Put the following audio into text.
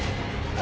あ！